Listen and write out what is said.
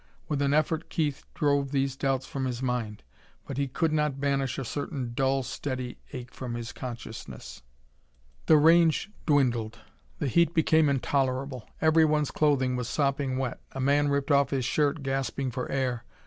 With an effort Keith drove these doubts from his mind ... but he could not banish a certain dull, steady ache from his consciousness.... The range dwindled. The heat became intolerable. Everyone's clothing was sopping wet. A man ripped off his shirt, gasping for air.